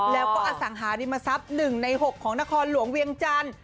แล้วก็อสังหาริมทรัพย์๑ใน๖ของนครหลวงเวียงจันทร์